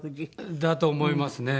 だと思いますね。